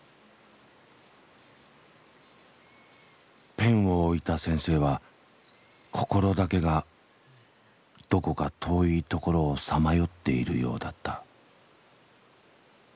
ペンを置いた先生は心だけがどこか遠いところをさまよっているようだった。